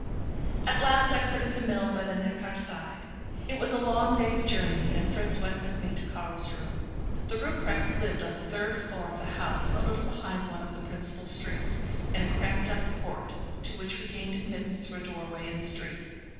At last I quitted the mill by the Neckar side. It was a long day's journey, and Fritz went with me to Carlsruhe. The Rupprechts lived on the third floor of a house a little behind one of the principal streets, in a cramped up court, to which we gained admittance through a doorway in the street.